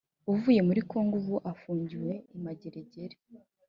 avuye muri Congo ubu afungiwe i Mageragere